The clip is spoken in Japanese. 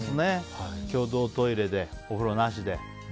共同トイレで、お風呂なしで。